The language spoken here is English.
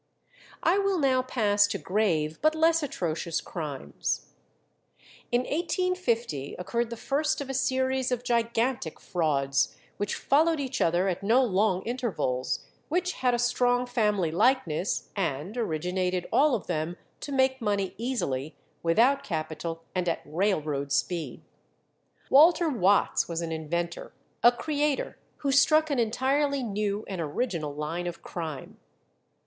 I will now pass to grave but less atrocious crimes. In 1850 occurred the first of a series of gigantic frauds, which followed each other at no long intervals, which had a strong family likeness, and originated all of them to make money easily, without capital, and at railroad speed. Walter Watts was an inventor, a creator, who struck an entirely new and original line of crime.